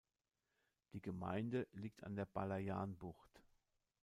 Die Gemeinde liegt an der Balayan-Bucht.